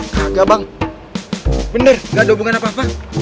tangga bang bener gak ada hubungan apa apa